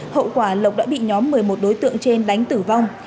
hậu quả lộc đã bị nhóm một mươi một đối tượng trên đánh tử vong